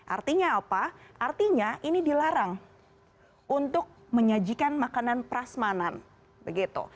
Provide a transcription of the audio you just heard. artinya apa artinya ini dilarang untuk menyajikan makanan prasmanan begitu